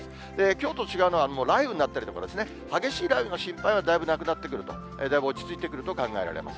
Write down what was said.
きょうと違うのは、雷雨になったりですね、激しい雷雨の心配はだいぶなくなってくると、だいぶ落ち着いてくると考えられます。